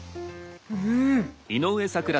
うん！